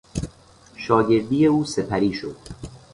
شاگردی او سپری شد.